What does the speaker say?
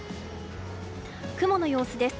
雲の様子です。